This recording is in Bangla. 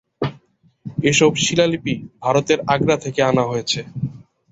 এসব শিলালিপি ভারতের আগ্রা থেকে আনা হয়েছে।